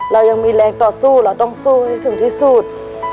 เรายังมีแรงต่อสู้เราต้องสู้ให้ถึงที่สุด